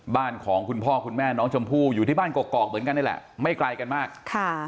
บ้านของคุณพ่อคุณแม่น้องชมพู่อยู่ที่บ้านกอกเหมือนกันนี่แหละไม่ไกลกันมากค่ะ